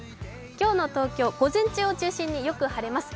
今日の東京、午前中を中心によく晴れます。